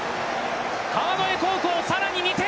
川之江高校、さらに２点。